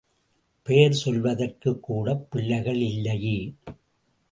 பெயர் சொல்வதற்குக் கூடப் பிள்ளைகள் இல்லையே!